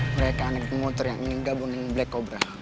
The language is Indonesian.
mereka anak anak motor yang ingin gabungin black cobra